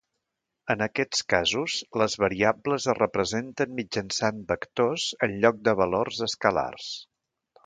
En aquests casos, les variables es representen mitjançant vectors en lloc de valors escalars.